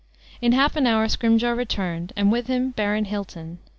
In half an hour Scrymgeour returned, and with him Baron Hilton.